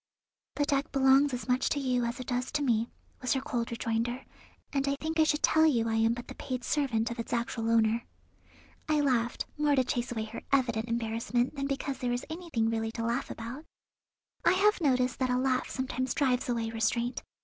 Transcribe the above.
"The deck belongs as much to you as it does to me," was her cold rejoinder, "and I think I should tell you I am but the paid servant of its actual owner." I laughed, more to chase away her evident embarrassment than because there was anything really to laugh about. I have noticed that a laugh sometimes drives away restraint.